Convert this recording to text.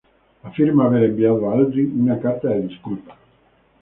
Afirma haber enviado a Aldrin una carta de disculpa.